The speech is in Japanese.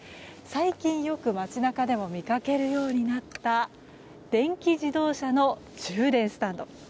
最近よく街中でも見かけるようになった電気自動車の充電スタンド。